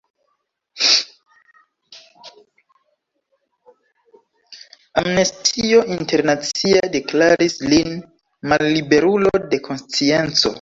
Amnestio Internacia deklaris lin malliberulo de konscienco.